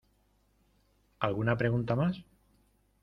¿Alguna pregunta más?